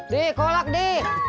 di kolak di